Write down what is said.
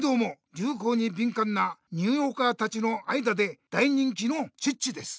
りゅうこうにびんかんなニューヨーカーたちの間で大人気のチッチです。